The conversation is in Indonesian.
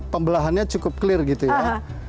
pembelahannya cukup clear gitu ya